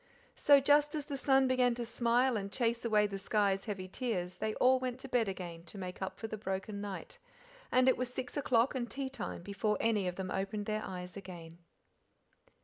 So just as the sun began to smile and chase away the sky's heavy tears, they all went to bed again to make up for the broken night, and it was: six o'clock and tea time before any of them opened their eyes again.